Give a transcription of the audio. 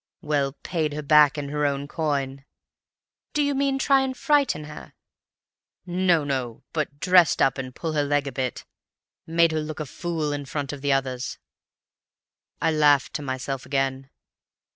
"'Well, paid her back in her own coin.' "'Do you mean try and frighten her?' "'No, no; but dressed up and pulled her leg a bit. Made her look a fool in front of the others.' I laughed to myself again.